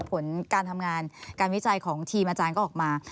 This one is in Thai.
ผลการทำงานการวิจัยของทีมอาจารย์ก็ออกมา